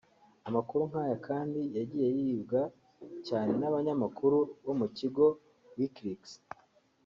Amakuru nk’aya kandi yagiye yibwa cyane n’abanyamakuru bo mu kigo Wikileaks